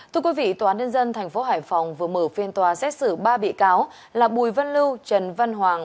thưa quý vị tòa án nhân dân tp hải phòng vừa mở phiên tòa xét xử ba bị cáo là bùi văn lưu trần văn hoàng